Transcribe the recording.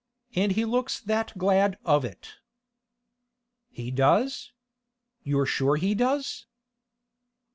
And he looks that glad of it.' 'He does? You're sure he does?